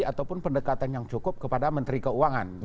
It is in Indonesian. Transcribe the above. ataupun pendekatan yang cukup kepada menteri keuangan